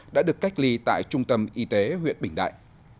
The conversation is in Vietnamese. đã được cách ly tại trung tâm y tế huyện bình đại